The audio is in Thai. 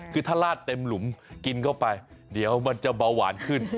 คือถ้าลาดเต็มหลุมกินเข้าไปเดี๋ยวมันจะเบาหวานขึ้น